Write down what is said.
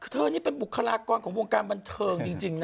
นี่เป็นบุคลากรของวงการบันเทิงจริงนะ